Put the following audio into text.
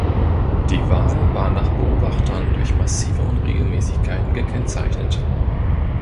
Die Wahl war nach Beobachtern durch massive Unregelmäßigkeiten gekennzeichnet.